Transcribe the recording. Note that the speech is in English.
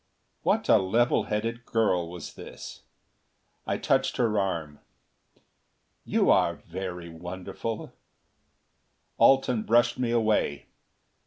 What a level headed girl was this! I touched her arm. "You are very wonderful " Alten brushed me away.